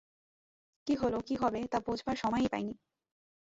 কী হল, কী হবে, তা বোঝবার সময় পাই নি।